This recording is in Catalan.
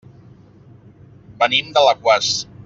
Venim d'Alaquàs.